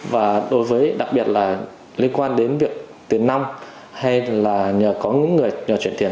và đối với đặc biệt là liên quan đến việc tiền năm hay là nhờ có những người nhờ chuyển tiền